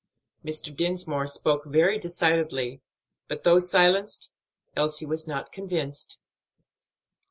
Mr. Dinsmore spoke very decidedly, but, though silenced, Elsie was not convinced.